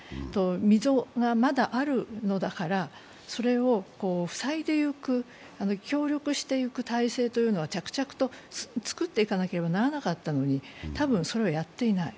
溝がまだあるのだから、それを塞いでいく、協力していく体制というのを着々と作っていかなければならなかったのに多分それをやっていない。